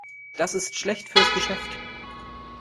Das ist schlecht fürs Geschäft.